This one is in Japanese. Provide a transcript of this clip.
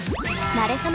なれそめ！